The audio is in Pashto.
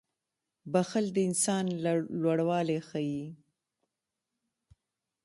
• بښل د انسان لوړوالی ښيي.